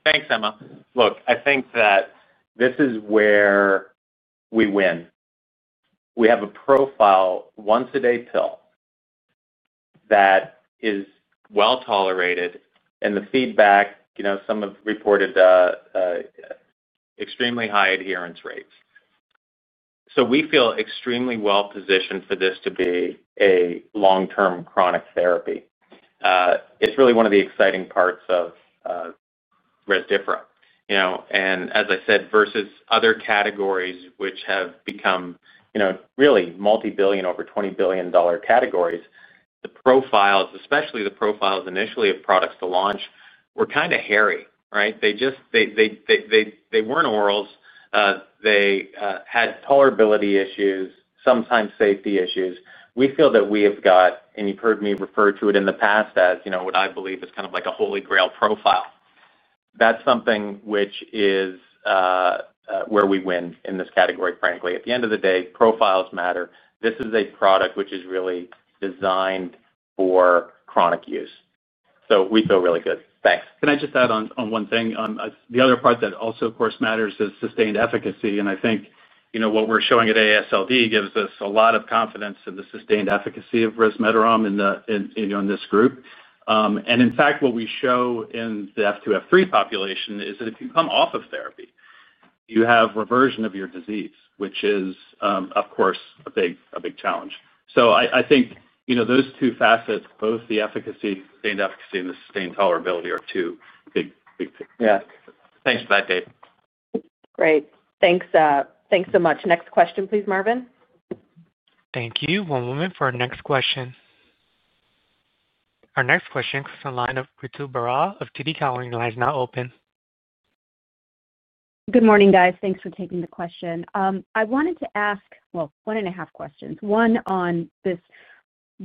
Thanks, Emma. Look, I think that this is where we win. We have a profile, once-a-day pill, that is well-tolerated, and the feedback, some have reported, extremely high adherence rates. So we feel extremely well-positioned for this to be a long-term chronic therapy. It's really one of the exciting parts of Rezdiffra. As I said, versus other categories, which have become really multi-billion, over $20 billion categories, the profiles, especially the profiles initially of products to launch, were kind of hairy, right? They were not orals. They had tolerability issues, sometimes safety issues. We feel that we have got, and you've heard me refer to it in the past as what I believe is kind of like a holy grail profile. That's something which is where we win in this category, frankly. At the end of the day, profiles matter. This is a product which is really designed for chronic use. So we feel really good. Thanks. Can I just add on one thing? The other part that also, of course, matters is sustained efficacy. I think what we are showing at AASLD gives us a lot of confidence in the sustained efficacy of Rezdiffra in this group. In fact, what we show in the F2-F3 population is that if you come off of therapy, you have reversion of your disease, which is, of course, a big challenge. I think those two facets, both the efficacy, sustained efficacy, and the sustained tolerability are two big picks. Yeah. Thanks for that, Dave. Great. Thanks so much. Next question, please, Marvin. Thank you. One moment for our next question. Our next question comes from the line of Ritu Baral of TD Cowen. Your line is now open. Good morning, guys. Thanks for taking the question. I wanted to ask, well, one and a half questions. One on this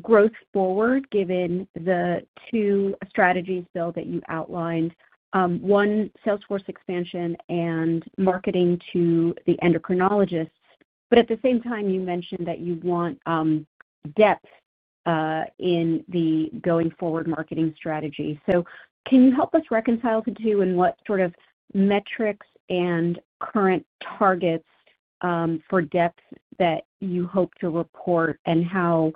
growth forward, given the two strategies, Bill, that you outlined. One, salesforce expansion and marketing to the endocrinologists. At the same time, you mentioned that you want depth in the going forward marketing strategy. Can you help us reconcile the two in what sort of metrics and current targets for depth that you hope to report and how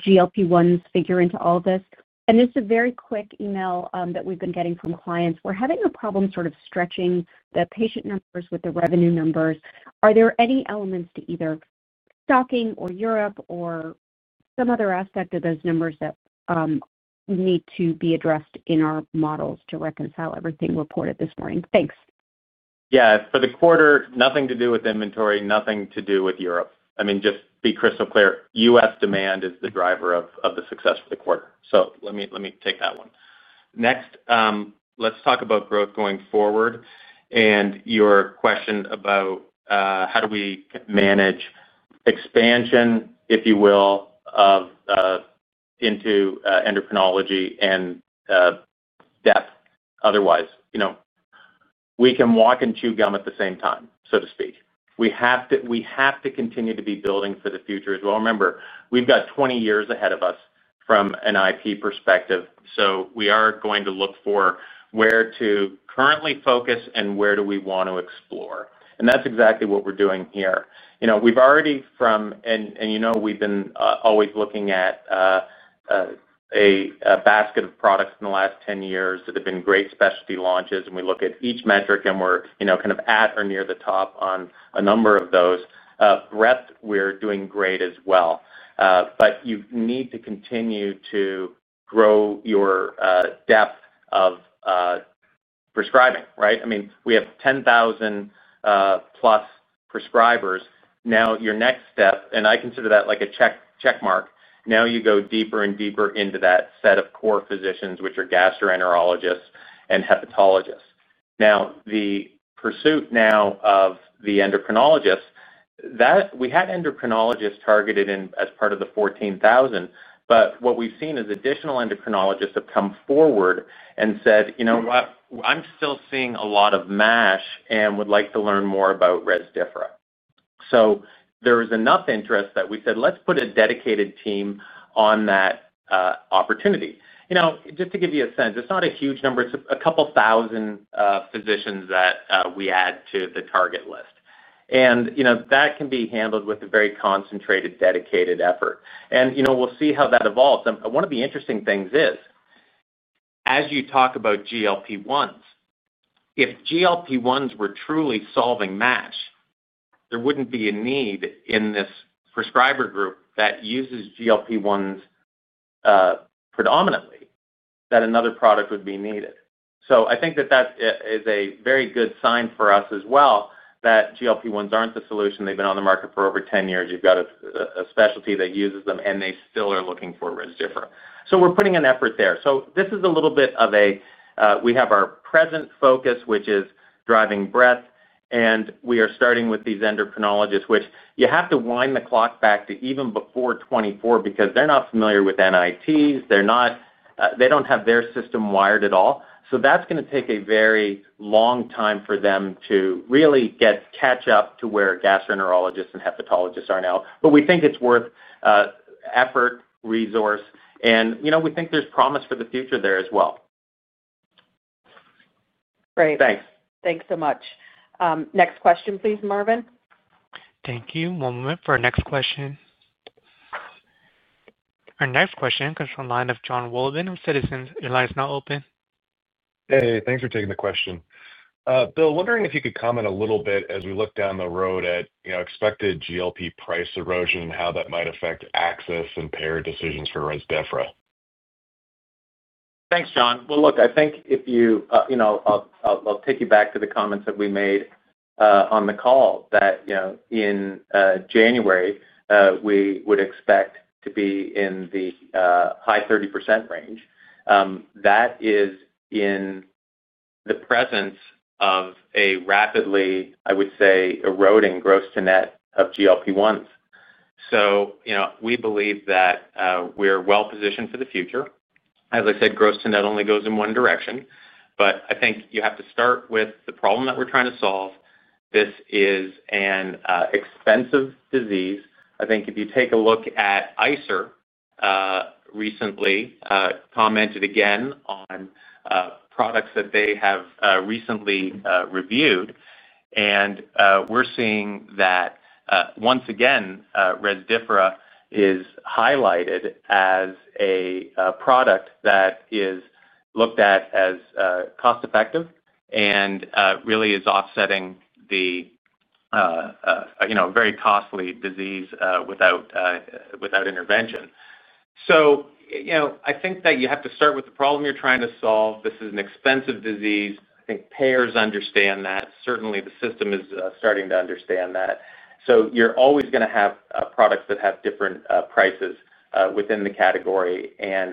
GLP-1s figure into all of this? This is a very quick email that we've been getting from clients. We're having a problem sort of stretching the patient numbers with the revenue numbers. Are there any elements to either stocking or Europe or some other aspect of those numbers that need to be addressed in our models to reconcile everything reported this morning? Thanks. Yeah. For the quarter, nothing to do with inventory, nothing to do with Europe. I mean, just be crystal clear, U.S. demand is the driver of the success for the quarter. Let me take that one. Next, let's talk about growth going forward. Your question about how do we manage expansion, if you will, of into endocrinology and depth otherwise. We can walk and chew gum at the same time, so to speak. We have to continue to be building for the future as well. Remember, we've got 20 years ahead of us from an IP perspective. We are going to look for where to currently focus and where do we want to explore. That's exactly what we're doing here. We've already, from, and we've been always looking at a basket of products in the last 10 years that have been great specialty launches. We look at each metric, and we're kind of at or near the top on a number of those. Rep, we're doing great as well. You need to continue to grow your depth of prescribing, right? I mean, we have 10,000 plus prescribers. Now, your next step, and I consider that like a checkmark, now you go deeper and deeper into that set of core physicians, which are gastroenterologists and hepatologists. The pursuit now of the endocrinologists, we had endocrinologists targeted as part of the 14,000, but what we've seen is additional endocrinologists have come forward and said, "You know what? I'm still seeing a lot of MASH and would like to learn more about Rezdiffra." There was enough interest that we said, "Let's put a dedicated team on that opportunity." Just to give you a sense, it's not a huge number. It's a couple thousand physicians that we add to the target list. That can be handled with a very concentrated, dedicated effort. We'll see how that evolves. One of the interesting things is, as you talk about GLP-1s, if GLP-1s were truly solving MASH, there wouldn't be a need in this prescriber group that uses GLP-1s predominantly that another product would be needed. I think that that is a very good sign for us as well that GLP-1s aren't the solution. They've been on the market for over 10 years. You've got a specialty that uses them, and they still are looking for Rezdiffra. We're putting an effort there. This is a little bit of a, we have our present focus, which is driving breadth, and we are starting with these endocrinologists, which you have to wind the clock back to even before 2024 because they're not familiar with NITs. They don't have their system wired at all. That's going to take a very long time for them to really catch up to where gastroenterologists and hepatologists are now. We think it's worth effort, resource, and we think there's promise for the future there as well. Great. Thanks. Thanks so much. Next question, please, Marvin. Thank you. One moment for our next question. Our next question comes from the line of Jon Wolleben of Citizens. Your line is now open. Hey, thanks for taking the question. Bill, wondering if you could comment a little bit as we look down the road at expected GLP-1 price erosion and how that might affect access and payer decisions for Rezdiffra. Thanks, John. I think if you, I'll take you back to the comments that we made on the call that in January, we would expect to be in the high 30% range. That is in the presence of a rapidly, I would say, eroding gross-to-net of GLP-1s. We believe that we're well-positioned for the future. As I said, gross-to-net only goes in one direction. I think you have to start with the problem that we're trying to solve. This is an expensive disease. I think if you take a look at ICER, recently commented again on products that they have recently reviewed, and we're seeing that once again, Rezdiffra is highlighted as a product that is looked at as cost-effective and really is offsetting the very costly disease without intervention. I think that you have to start with the problem you're trying to solve. This is an expensive disease. I think payers understand that. Certainly, the system is starting to understand that. You're always going to have products that have different prices within the category.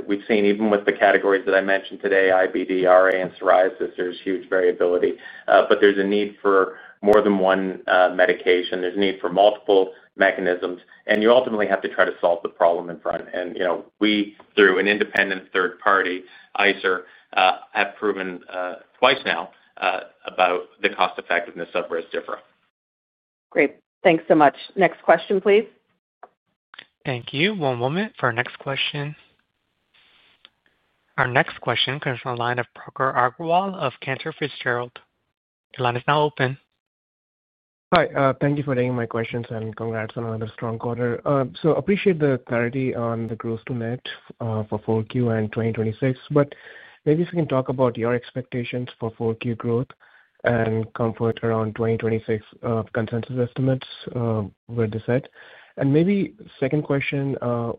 We've seen even with the categories that I mentioned today, IBD, RA, and psoriasis, there's huge variability. There's a need for more than one medication. There's a need for multiple mechanisms. You ultimately have to try to solve the problem in front. We, through an independent third-party, ICER, have proven twice now about the cost-effectiveness of Rezdiffra. Great. Thanks so much. Next question, please. Thank you. One moment for our next question. Our next question comes from the line of Prakhar Agrawal of Cantor Fitzgerald. Your line is now open. Hi. Thank you for taking my questions and congrats on another strong quarter. I appreciate the clarity on the gross-to-net for Q4 and 2026. If you can talk about your expectations for Q4 growth and comfort around 2026 consensus estimates with the set. Maybe second question,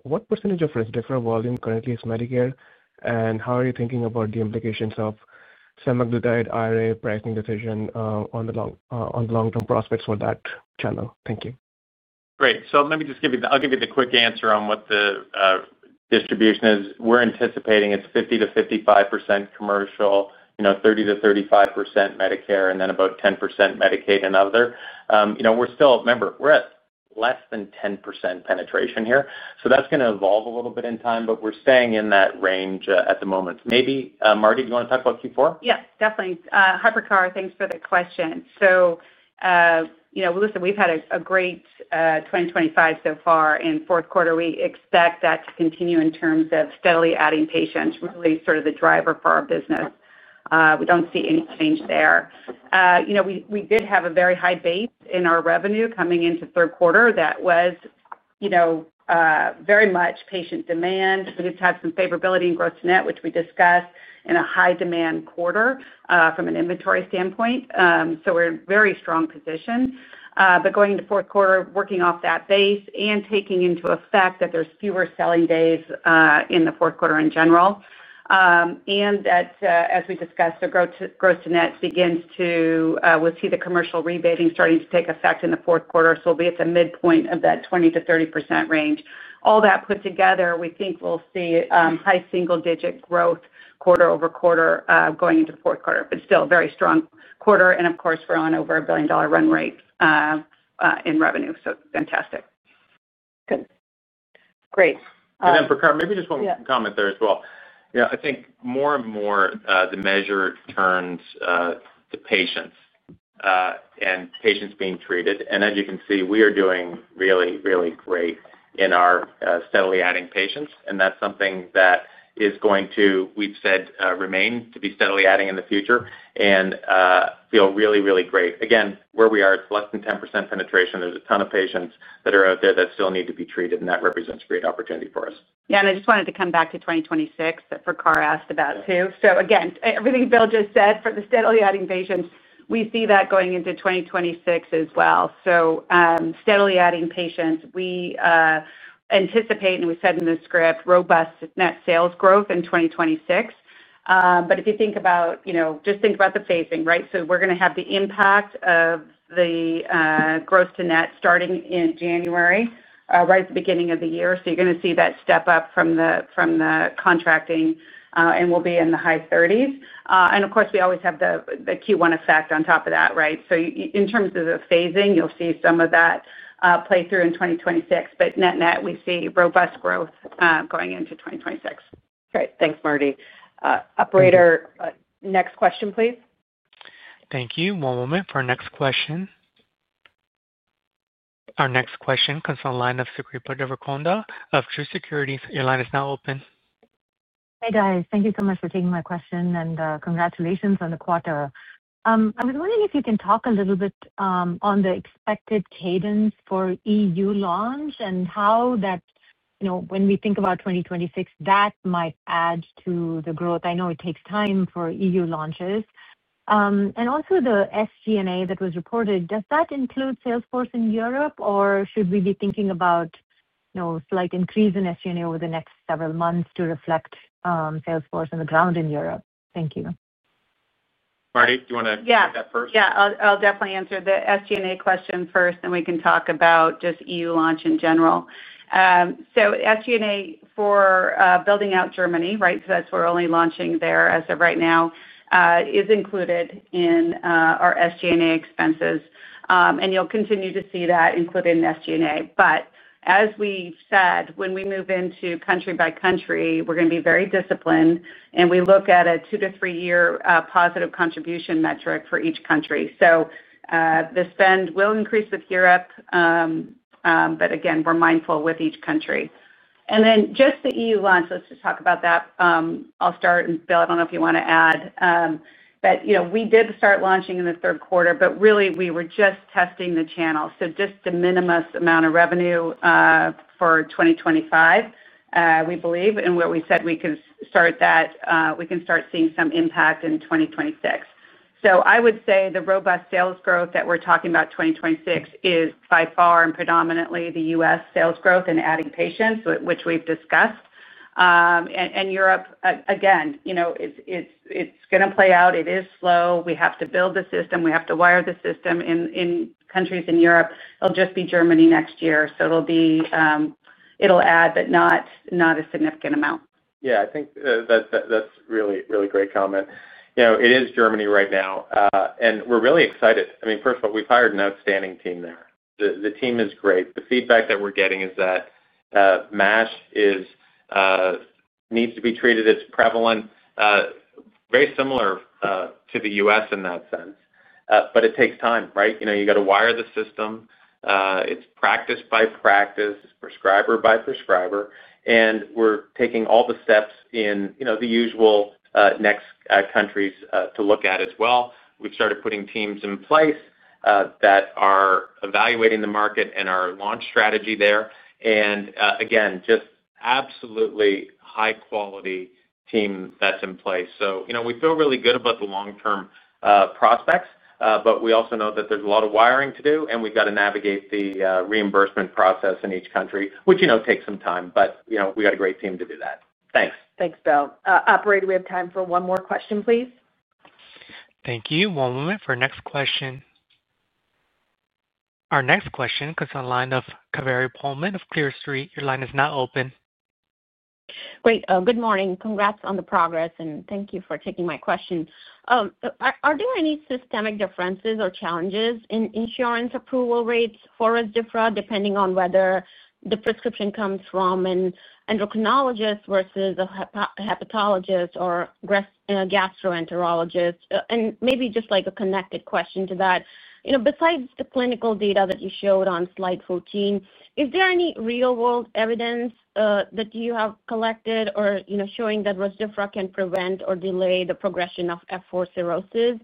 what percentage of Rezdiffra volume currently is Medicare? How are you thinking about the implications of semaglutide IRA pricing decision on the long-term prospects for that channel? Thank you. Great. Let me just give you the—I'll give you the quick answer on what the distribution is. We're anticipating it's 50-55% commercial, 30-35% Medicare, and then about 10% Medicaid and other. We're still, remember, we're at less than 10% penetration here. That is going to evolve a little bit in time, but we're staying in that range at the moment. Maybe, Mardi, do you want to talk about Q4? Yes, definitely. Hypercar, thanks for the question. Listen, we've had a great 2025 so far. In fourth quarter, we expect that to continue in terms of steadily adding patients, really sort of the driver for our business. We do not see any change there. We did have a very high base in our revenue coming into third quarter that was very much patient demand. We did have some favorability in gross-to-net, which we discussed, and a high-demand quarter from an inventory standpoint. We are in a very strong position. Going into fourth quarter, working off that base and taking into effect that there are fewer selling days in the fourth quarter in general, and as we discussed, the gross-to-net begins to—we will see the commercial rebating starting to take effect in the fourth quarter, so we will be at the midpoint of that 20%-30% range. All that put together, we think we will see high single-digit growth quarter-over-quarter going into the fourth quarter, but still a very strong quarter. Of course, we are on over a billion-dollar run rate in revenue. Fantastic. Good. Great. Parcar, maybe just one comment there as well. I think more and more the measure turns to patients. And patients being treated. As you can see, we are doing really, really great in our steadily adding patients. That is something that is going to, we've said, remain to be steadily adding in the future and feel really, really great. Again, where we are, it's less than 10% penetration. There is a ton of patients that are out there that still need to be treated, and that represents a great opportunity for us. Yeah. I just wanted to come back to 2026 that Parcar asked about too. Again, everything Bill just said for the steadily adding patients, we see that going into 2026 as well. Steadily adding patients, we anticipate, and we said in the script, robust net sales growth in 2026. If you think about—just think about the phasing, right? We are going to have the impact of the gross-to-net starting in January, right at the beginning of the year. You are going to see that step up from the contracting, and we will be in the high 30s. Of course, we always have the Q1 effect on top of that, right? In terms of the phasing, you will see some of that play through in 2026. Net net, we see robust growth going into 2026. Great. Thanks, Mardi. Operator, next question, please. Thank you. One moment for our next question. Our next question comes from the line of Srikripa Devarakonda of True Securities. Your line is now open. Hi, guys. Thank you so much for taking my question, and congratulations on the quarter. I was wondering if you can talk a little bit on the expected cadence for EU launch and how that, when we think about 2026, that might add to the growth. I know it takes time for EU launches. Also, the SG&A that was reported, does that include Salesforce in Europe, or should we be thinking about a slight increase in SG&A over the next several months to reflect Salesforce on the ground in Europe? Thank you. Mardi, do you want to take that first? Yeah. I'll definitely answer the SG&A question first, and we can talk about just EU launch in general. SG&A for building out Germany, right? Because that's where we're only launching there as of right now, is included in our SG&A expenses. You'll continue to see that included in SG&A. As we've said, when we move into country by country, we're going to be very disciplined, and we look at a two- to three-year positive contribution metric for each country. The spend will increase with Europe. Again, we're mindful with each country. Just the EU launch, let's just talk about that. I'll start, and Bill, I don't know if you want to add. We did start launching in the third quarter, but really, we were just testing the channel. Just the de minimis amount of revenue. For 2025, we believe, and where we said we can start that, we can start seeing some impact in 2026. I would say the robust sales growth that we're talking about 2026 is by far and predominantly the US sales growth and adding patients, which we've discussed. Europe, again, it's going to play out. It is slow. We have to build the system. We have to wire the system. In countries in Europe, it'll just be Germany next year. It'll add, but not a significant amount. Yeah. I think that's a really, really great comment. It is Germany right now. And we're really excited. I mean, first of all, we've hired an outstanding team there. The team is great. The feedback that we're getting is that MASH needs to be treated. It's prevalent. Very similar to the US in that sense. It takes time, right? You got to wire the system. It's practice by practice, prescriber by prescriber. We're taking all the steps in the usual next countries to look at as well. We've started putting teams in place that are evaluating the market and our launch strategy there. Again, just absolutely high-quality team that's in place. We feel really good about the long-term prospects. We also know that there's a lot of wiring to do, and we've got to navigate the reimbursement process in each country, which takes some time. We got a great team to do that. Thanks. Thanks, Bill. Operator, we have time for one more question, please. Thank you. One moment for our next question. Our next question comes from the line of Kaveri Pohlman of Clear Street. Your line is now open. Great. Good morning. Congrats on the progress, and thank you for taking my question. Are there any systemic differences or challenges in insurance approval rates for Rezdiffra depending on whether the prescription comes from an endocrinologist versus a hepatologist or a gastroenterologist? Maybe just like a connected question to that. Besides the clinical data that you showed on slide 14, is there any real-world evidence that you have collected or showing that Rezdiffra can prevent or delay the progression of F4 cirrhosis,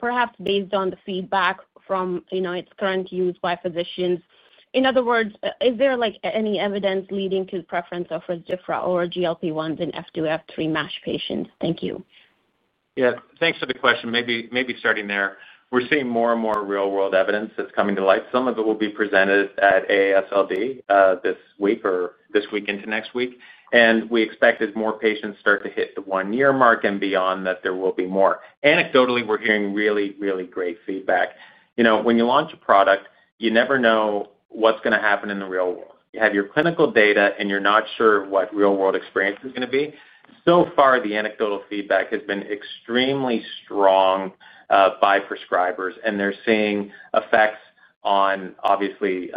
perhaps based on the feedback from its current use by physicians? In other words, is there any evidence leading to the preference of Rezdiffra or GLP-1s in F2, F3 MASH patients? Thank you. Yeah. Thanks for the question. Maybe starting there. We're seeing more and more real-world evidence that's coming to light. Some of it will be presented at AASLD this week or this week into next week. We expect as more patients start to hit the one-year mark and beyond that there will be more. Anecdotally, we're hearing really, really great feedback. When you launch a product, you never know what's going to happen in the real world. You have your clinical data, and you're not sure what real-world experience is going to be. So far, the anecdotal feedback has been extremely strong by prescribers. They're seeing effects on, obviously,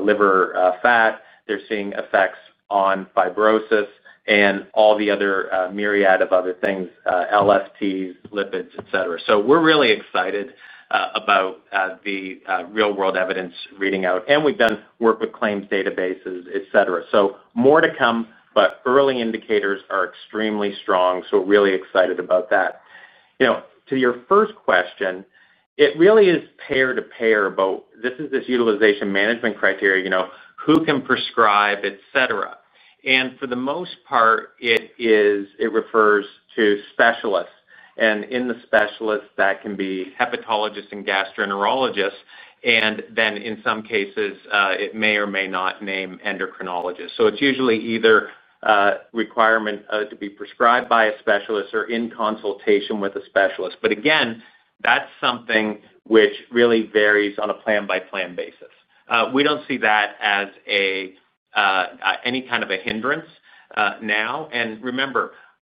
liver fat. They're seeing effects on fibrosis and all the other myriad of other things, LFTs, lipids, etc. We're really excited about the real-world evidence reading out. We've done work with claims databases, etc. More to come, but early indicators are extremely strong. We're really excited about that. To your first question, it really is payer to payer about this utilization management criteria, who can prescribe, etc. For the most part, it refers to specialists. In the specialists, that can be hepatologists and gastroenterologists. In some cases, it may or may not name endocrinologists. It's usually either a requirement to be prescribed by a specialist or in consultation with a specialist. Again, that's something which really varies on a plan-by-plan basis. We don't see that as any kind of a hindrance now. Remember,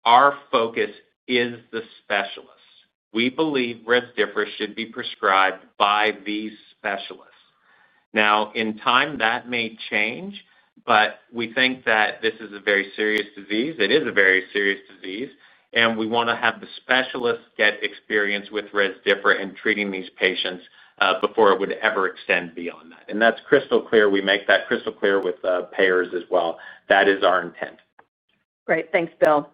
our focus is the specialists. We believe Rezdiffra should be prescribed by these specialists. In time, that may change, but we think that this is a very serious disease. It is a very serious disease. We want to have the specialists get experience with Rezdiffra in treating these patients before it would ever extend beyond that. That's crystal clear. We make that crystal clear with payers as well. That is our intent. Great. Thanks, Bill.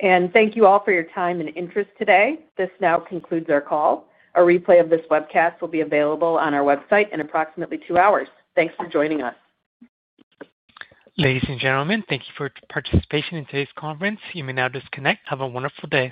Thank you all for your time and interest today. This now concludes our call. A replay of this webcast will be available on our website in approximately two hours. Thanks for joining us. Ladies and gentlemen, thank you for participating in today's conference. You may now disconnect. Have a wonderful day.